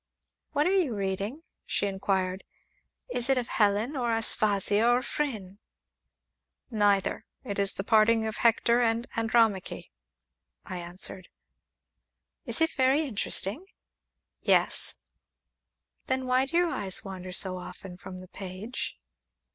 "What are you reading?" she inquired; "is it of Helen or Aspasia or Phryne?" "Neither it is the parting of Hector and Andromache," I answered. "Is it very interesting?" "Yes." "Then why do your eyes wander so often from the page?"